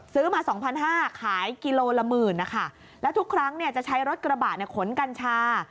ซื้อมา๒๕๐๐บาทขายกิโลละหมื่นนะคะแล้วทุกครั้งเนี่ยจะใช้รถกระบะขนกัญชา